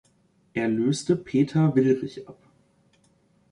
Er löste Peter Willrich ab.